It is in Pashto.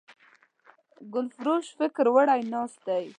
ګلفروش فکر وړی ناست دی